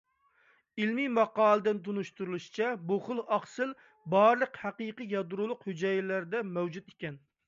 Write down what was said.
ئىلمىي ماقالىدە تونۇشتۇرۇلۇشىچە، بۇ خىل ئاقسىل بارلىق ھەقىقىي يادرولۇق ھۈجەيرىلەردە مەۋجۇت ئىكەن.